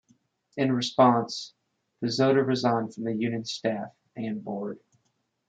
In response, Pesotta resigned from the union's staff and board.